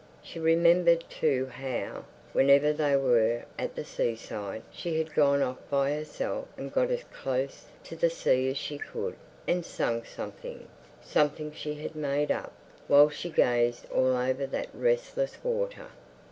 She remembered too how, whenever they were at the seaside, she had gone off by herself and got as close to the sea as she could, and sung something, something she had made up, while she gazed all over that restless water.